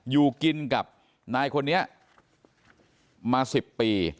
อยู่กินกับนายคนนี้มา๑๐ปี